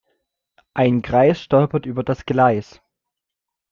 Ein Greis stolperte über das Gleis.